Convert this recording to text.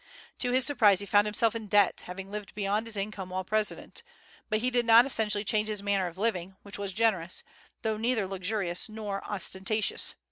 To his surprise he found himself in debt, having lived beyond his income while president. But he did not essentially change his manner of living, which was generous, though neither luxurious nor ostentatious.